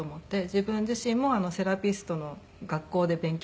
自分自身もセラピストの学校で勉強したりとかして。